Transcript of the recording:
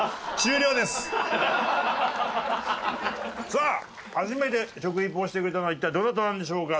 さあ初めて食リポをしてくれたのは一体どなたなんでしょうか？